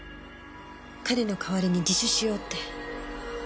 彼の代わりに自首しようって。